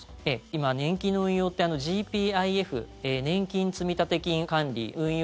今、年金の運用ってＧＰＩＦ・年金積立金管理運用